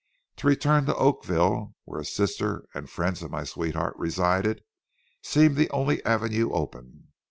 To return to Oakville, where a sister and friends of my sweetheart resided, seemed the only avenue open.